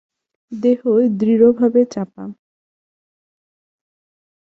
দেহ দৃঢ়ভাবে চাপা।